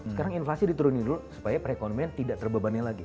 sekarang inflasi diturunin dulu supaya perekonomian tidak terbebani lagi